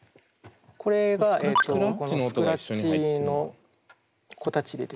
これがスクラッチの子たちでですね。